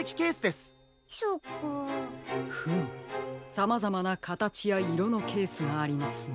さまざまなかたちやいろのケースがありますね。